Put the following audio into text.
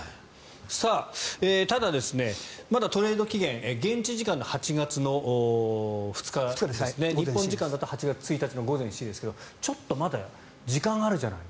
ただ、トレード期限現地時間の８月２日日本時間だと８月１日の午前７時ですがちょっとまだ時間があるじゃない。